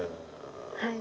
はい。